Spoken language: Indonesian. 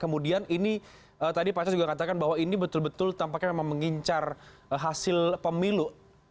kemudian ini tadi pak aceh juga katakan bahwa ini betul betul tampaknya memang mengincar hasil pemilu